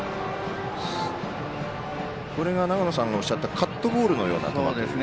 これが長野さんがおっしゃったカットボールのような球ですね。